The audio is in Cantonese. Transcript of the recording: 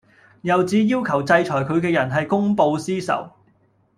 又指要求制裁佢嘅人係公報私仇